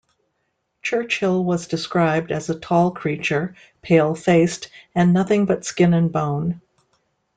Churchill was described as a tall creature, pale-faced, and nothing but skin and bone.